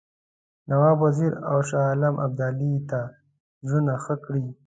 نواب وزیر او شاه عالم ابدالي ته زړونه ښه کړي.